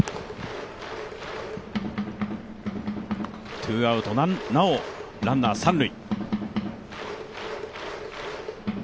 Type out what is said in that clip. ツーアウト、なおランナー三塁。